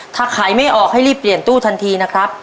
ถ้าขายไม่ออกให้รีบเปลี่ยนตู้ทันทีนะครับ